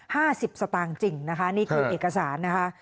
สิบสตางค์จริงนะคะนี่คือเอกสารนะคะ